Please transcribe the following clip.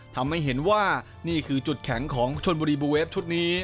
ทำให้เห็นว่านี่คือจุดแข็งของชนบุรีบูเวฟชุดนี้